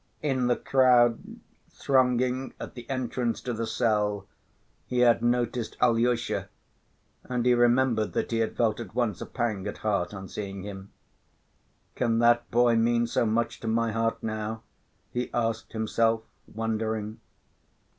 In the crowd thronging at the entrance to the cell, he had noticed Alyosha and he remembered that he had felt at once a pang at heart on seeing him. "Can that boy mean so much to my heart now?" he asked himself, wondering.